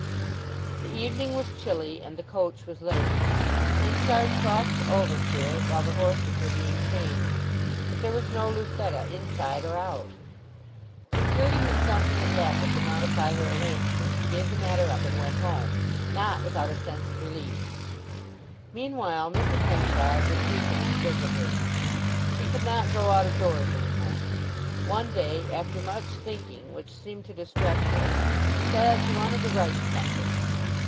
The evening was chilly, and the coach was late. Henchard crossed over to it while the horses were being changed; but there was no Lucetta inside or out. Concluding that something had happened to modify her arrangements he gave the matter up and went home, not without a sense of relief. Meanwhile Mrs. Henchard was weakening visibly. She could not go out of doors any more. One day, after much thinking which seemed to distress her, she said she wanted to write something.